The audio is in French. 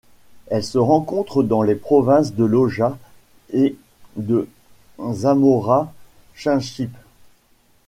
Elle se rencontre dans les provinces de Loja et de Zamora-Chinchipe.